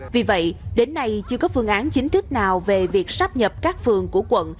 vì vậy đến nay chưa có phương án chính thức nào về việc sắp nhập các phường của quận